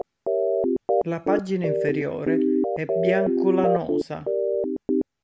La pagina inferiore è bianco-lanosa.